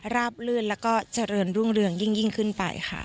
ลื่นแล้วก็เจริญรุ่งเรืองยิ่งขึ้นไปค่ะ